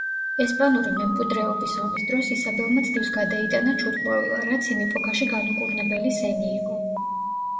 ესპანური მემკვიდრეობის ომის დროს, ისაბელმა ძლივს გადაიტანა ჩუტყვავილა, რაც იმ ეპოქაში განუკურნებელი სენი იყო.